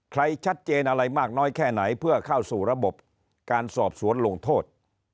ชัดเจนอะไรมากน้อยแค่ไหนเพื่อเข้าสู่ระบบการสอบสวนลงโทษ